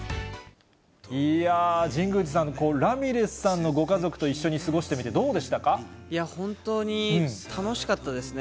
いやー、神宮寺さん、ラミレスさんのご家族と一緒に過ごしてみて、どうで本当に楽しかったですね。